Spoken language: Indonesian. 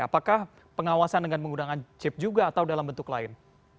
apakah pengawasan dengan menggunakan chip juga atau dalam bentuk lain